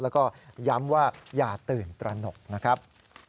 แล้วก็ย้ำว่าอย่าตื่นตระหนกนะครับ